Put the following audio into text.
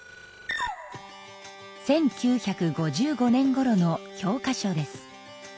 １９５５年ごろの教科書です。